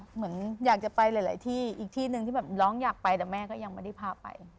เหมือนอยากจะไปหลายที่อีกที่หนึ่งที่แบบน้องอยากไปแต่แม่ก็ยังไม่ได้พาไป